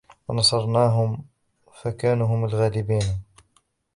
وَنَصَرْنَاهُمْ فَكَانُوا هُمُ الْغَالِبِينَ